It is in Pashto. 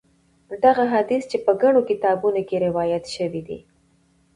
دغه حدیث چې په ګڼو کتابونو کې روایت شوی دی.